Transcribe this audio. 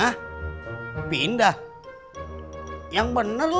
hah pindah yang bener lu